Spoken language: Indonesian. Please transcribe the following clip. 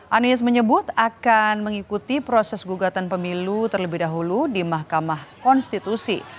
anies menyebut akan mengikuti proses gugatan pemilu terlebih dahulu di mahkamah konstitusi